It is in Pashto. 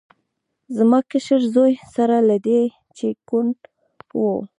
زما کشر زوی سره له دې چې کوڼ و.